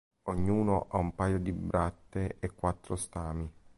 Ognuno ha un paio di brattee e quattro stami.